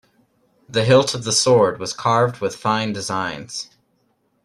The hilt of the sword was carved with fine designs.